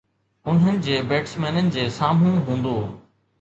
انهن جي بيٽسمينن جي سامهون هوندو